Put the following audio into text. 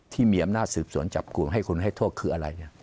ที่มีอำนาจสืบสวนจับกลุ่มให้คุณให้โทษคืออะไร